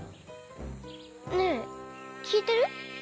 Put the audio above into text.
ねえきいてる？